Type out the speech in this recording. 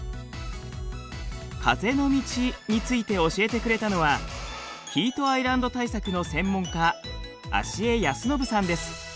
風の道について教えてくれたのはヒートアイランド対策の専門家足永靖信さんです。